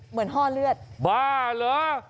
เหมือนห้อเลือดบ้าเหรอ